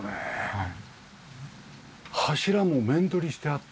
はい。